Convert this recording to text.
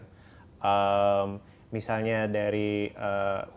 misalnya dari hujan misalnya ini ini kemarau ini maka itu bahwa kita tidak bisa berpengaruh